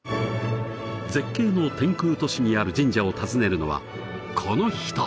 絶景の天空都市にある神社を訪ねるのはこの人！